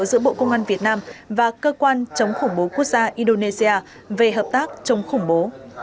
giữa bộ công an việt nam và cơ quan chống khủng bố quốc gia indonesia về hợp tác chống khủng bố